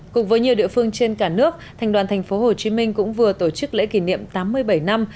cùng với nhiều địa phương trên cả nước thành đoàn tp hcm cũng vừa tổ chức lễ kỷ niệm tám mươi bảy năm